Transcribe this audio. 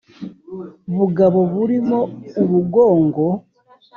bugabo burimo ubugongo